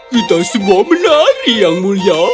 kita semua menari yang mulia